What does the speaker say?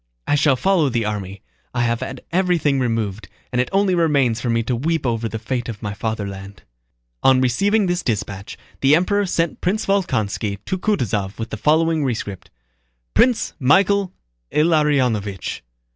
I shall follow the army. I have had everything removed, and it only remains for me to weep over the fate of my fatherland. On receiving this dispatch the Emperor sent Prince Volkónski to Kutúzov with the following rescript: Prince Michael Ilariónovich!